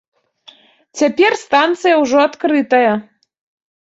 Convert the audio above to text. Цяпер станцыя ўжо адкрытая.